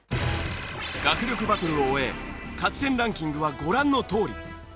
学力バトルを終え勝ち点ランキングはご覧のとおり。